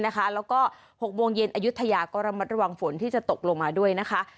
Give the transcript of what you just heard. แล้วก็๖โมงเย็นอายุทยาก็ระมัดระวังฝนที่จะตกลงมาด้วยนะคะ